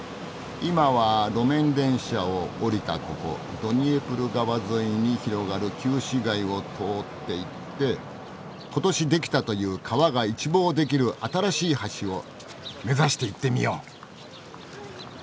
ドニエプル川沿いに広がる旧市街を通っていって今年出来たという川が一望できる新しい橋を目指して行ってみよう。